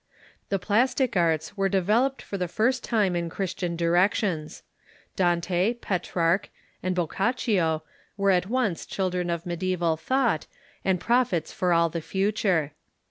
The plastic arts were developed for the first time in Christian di TllK KEIGX OF CHABLEMAGXE 107 rections. Dante, Petrarch, and Boccaccio were at once chil dren of media3val thought, and prophets for all the future.